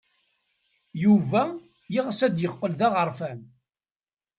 Yuba yeɣs ad yeqqel d aɣerfan.